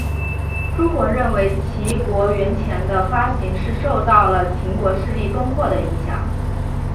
朱活认为齐国圜钱的发行是受到了秦国势力东扩的影响。